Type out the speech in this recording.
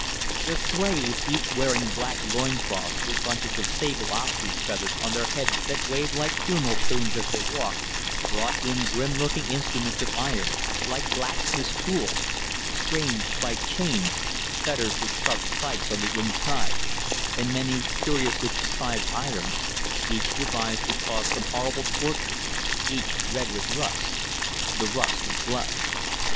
The slaves, each wearing black loin cloths with bunches of sable ostrich feathers on their heads that waved like funeral plumes as they walked, brought in grim looking instruments of iron like blacksmiths' tools, strange spiked chains, fetters with sharp spikes on the inside, and many curiously contrived irons, each devised to cause some horrible torture, each red with rust, the rust of blood.